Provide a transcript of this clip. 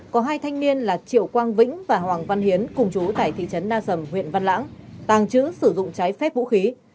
có hai thanh niên là triệu quang vĩnh và hoàng văn hiến cùng chú tại thị trấn na sầm huyện văn lãng tàng trữ sử dụng trái phép vũ khí